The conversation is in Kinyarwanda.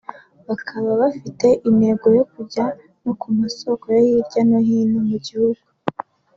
bakaba bafite intego yo kujya no ku masoko yo hirya no hino mu gihugu